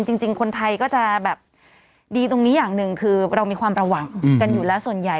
จริงคนไทยก็จะแบบดีตรงนี้อย่างหนึ่งคือเรามีความระวังกันอยู่แล้วส่วนใหญ่